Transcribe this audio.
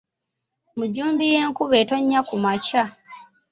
Mujumbi y'enkuba etonnya ku makya